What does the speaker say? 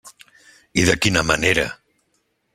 I de quina manera!